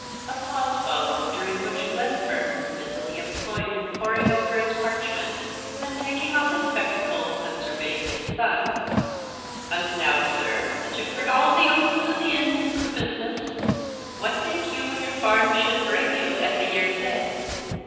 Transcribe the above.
'" A pause followed, during which Glenfern was busily employed in poring over his parchment; then taking off his spectacles, and surveying his son, "And now, sir, that you've heard a' the oots an' ins o' the business, what think you your farm should bring you at the year's end?"